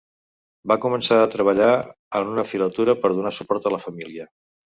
Va començar a treballar en una filatura per donar suport a la família.